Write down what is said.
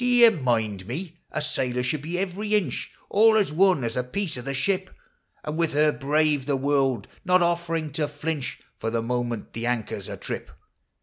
D' ye mind me, a sailor should be every inch All as one as a piece of the ship, And with her brave the world, not offering to flinch From the moment the anchor 's a trip.